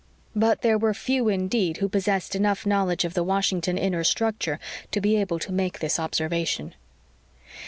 But there were few indeed who possessed enough knowledge of the Washington inner structure to be able to make this observation.